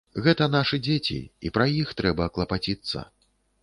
Гэта нашы дзеці, і пра іх трэба клапаціцца.